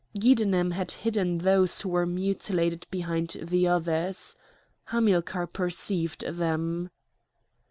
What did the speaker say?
Giddenem had hidden those who were mutilated behind the others. Hamilcar perceived them.